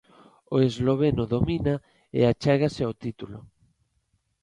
O esloveno domina e achégase ao título.